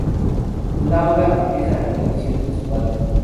Laura empieza a tener visiones de su padre.